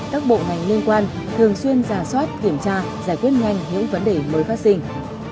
các bộ ngành liên quan thường xuyên giả soát kiểm tra giải quyết nhanh những vấn đề mới phát sinh